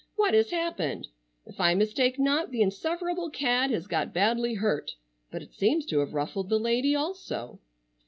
What has happened? If I mistake not the insufferable cad has got badly hurt, but it seems to have ruffled the lady also."